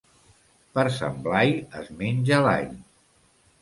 Per Sant Blai es menja l'all.